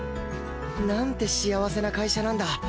なんて幸せな会社なんだ